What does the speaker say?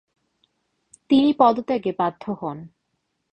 তিনি পদত্যাগে বাধ্য হন।